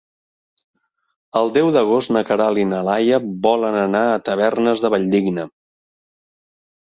El deu d'agost na Queralt i na Laia volen anar a Tavernes de la Valldigna.